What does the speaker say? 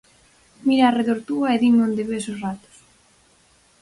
Mira arredor túa e dime onde ves os ratos.